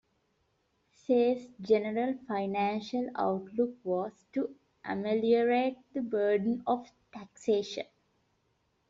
Say's general financial outlook was to ameliorate the burden of taxation.